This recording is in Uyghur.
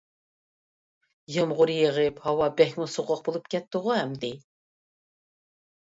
يامغۇر يېغىپ ھاۋا بەكمۇ سوغۇق بولۇپ كەتتىغۇ ئەمدى.